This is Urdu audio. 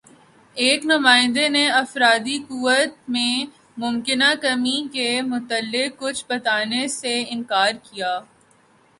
ایک نمائندے نے افرادی قوت میں ممکنہ کمی کے متعلق کچھ بتانے سے اِنکار کِیا